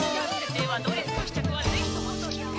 ではドレスの試着はぜひとも付き合おう」